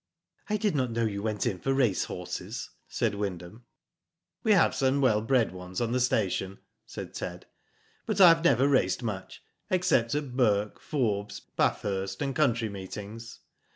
'' "I did not know you went in for racehorses," said Wyndham. We have some well bred ones on the station/' said Ted, *'but I have never raced much, except at Bourke, Forbes, Bathurst, and country meetings.